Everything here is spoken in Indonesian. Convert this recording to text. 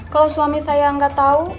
kalau suami saya nggak tahu